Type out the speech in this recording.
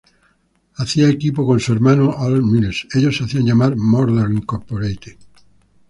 Hacía equipo con su hermano Al Mills, ellos se hacían llamar "Murder Incorporated.